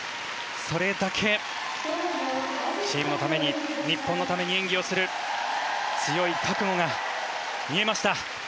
それだけチームのために日本のために演技をする強い覚悟が見えました。